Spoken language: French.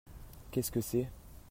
Qu'est-ce que c'est ?